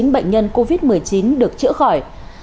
tám mươi chín bệnh nhân covid một mươi chín được chữa khỏi